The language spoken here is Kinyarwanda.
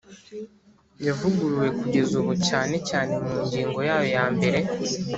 yavuguruwe kugeza ubu cyane cyane mu ngingo yayo ya mbere